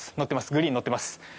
グリーンに乗っています。